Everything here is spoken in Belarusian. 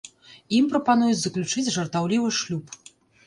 Ім прапануюць заключыць жартаўлівы шлюб.